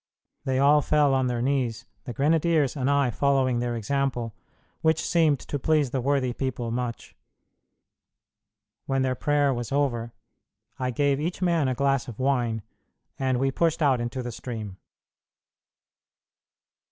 They all fell on their knees, the grenadiers and I following their example, which seemed to please the worthy people much. When their prayer was over, I gave each man a glass of wine, and we pushed out into the stream.